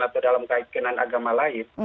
atau dalam keyakinan agama lain